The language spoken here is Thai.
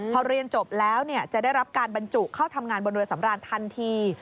พอเรียนจบแล้วจะได้รับการบรรจุเข้าทำงานบนเรือสำราญทันที